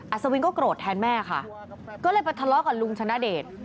สวินก็โกรธแทนแม่ค่ะก็เลยไปทะเลาะกับลุงชนะเดช